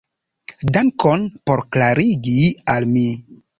Dankon por klarigi al mi.